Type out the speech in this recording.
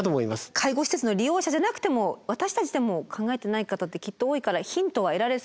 介護施設の利用者じゃなくても私たちでも考えていない方ってきっと多いからヒントは得られそうですね。